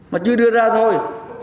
mà chưa đưa ra thì không có gì